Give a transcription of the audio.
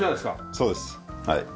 そうですはい。